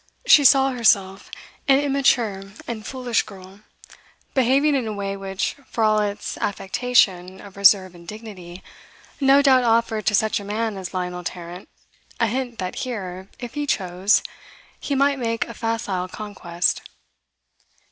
She saw herself an immature and foolish girl, behaving in a way which, for all its affectation of reserve and dignity, no doubt offered to such a man as Lionel Tarrant a hint that here, if he chose, he might make a facile conquest.